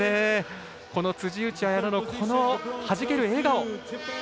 この辻内彩野のはじける笑顔。